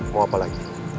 mau apa lagi